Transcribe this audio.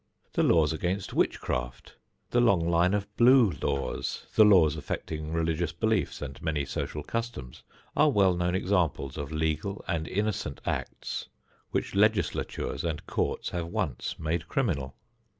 The laws against witchcraft, the long line of "blue laws," the laws affecting religious beliefs and many social customs, are well known examples of legal and innocent acts which legislatures and courts have once made criminal.